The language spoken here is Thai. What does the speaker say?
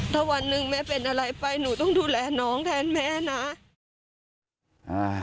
ถ้าวันหนึ่งแม่เป็นอะไรไปหนูต้องดูแลน้องแทนแม่นะ